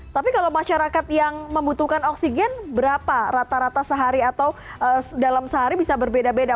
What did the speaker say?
tapi kalau masyarakat yang membutuhkan oksigen berapa rata rata sehari atau dalam sehari bisa berbeda beda